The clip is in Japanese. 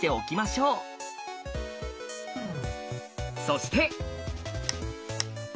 そして。